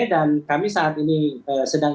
dan kami saat ini sedang